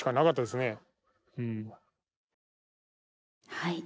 はい。